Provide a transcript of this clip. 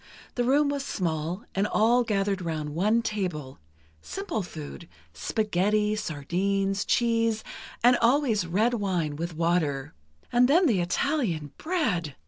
The room was small, and all gathered round one table ... simple food, spaghetti, sardines, cheese, and always red wine with water. And then the Italian bread!